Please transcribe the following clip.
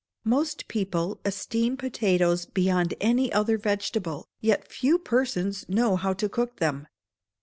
Most people esteem potatoes beyond any other vegetable, yet few persons know how to cook them.